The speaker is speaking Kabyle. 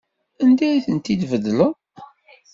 Anda ay tent-id-tbeddleḍ?